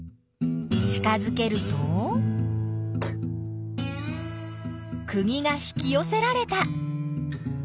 近づけるとくぎが引きよせられた！